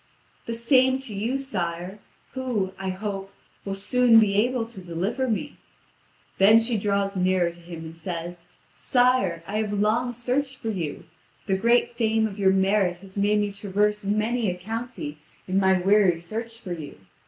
"The same to you, sire, who, I hope, will soon be able to deliver me." Then she draws nearer to him, and says: "Sire, I have long searched for you. The great fame of your merit has made me traverse many a county in my weary search for you.